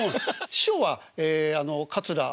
師匠は桂。